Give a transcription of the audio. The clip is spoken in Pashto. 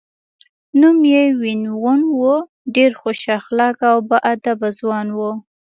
نوم یې وین وون و، ډېر خوش اخلاقه او با ادبه ځوان و.